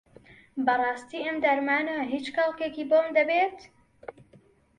بەڕاستی ئەم دەرمانە هیچ کەڵکێکی بۆم دەبێت؟